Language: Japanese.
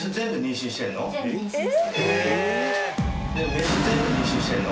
メス全部妊娠してんの？